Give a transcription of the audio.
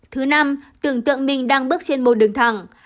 thứ năm tưởng tượng mình đang bước trên một đường thẳng